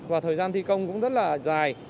và thời gian thi công cũng rất là dài